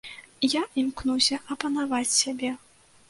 Я імкнуся апанаваць сябе.